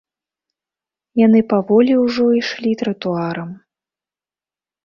Яны паволі ўжо ішлі тратуарам.